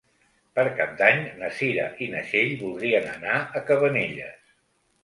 Per Cap d'Any na Cira i na Txell voldrien anar a Cabanelles.